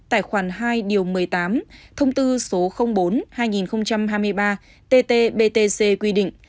tại khoản hai điều một mươi tám thông tư số bốn hai nghìn hai mươi ba tt btc quy định